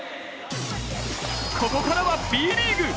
ここからは、Ｂリーグ。